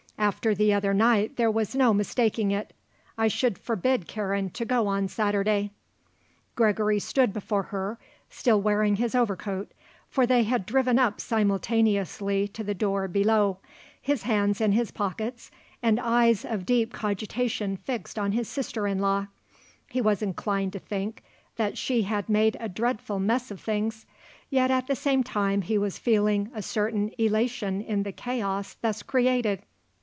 After the other night there was no mistaking it. I should forbid Karen to go on Saturday." Gregory stood before her still wearing his overcoat, for they had driven up simultaneously to the door below, his hands in his pockets and eyes of deep cogitation fixed on his sister in law. He was inclined to think that she had made a dreadful mess of things; yet, at the same time, he was feeling a certain elation in the chaos thus created.